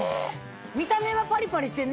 見た目はパリパリしてんな！